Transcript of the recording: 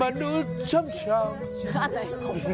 อะไร